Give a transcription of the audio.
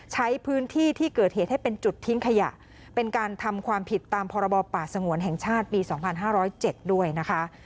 ใช้พื้นที่ที่เกิดเหตุให้เป็นจุดทิ้งขยะเป็นการทำความผิดตามพรบป่าสงวนแห่งชาติปี๒๕๐๗ด้วยนะคะ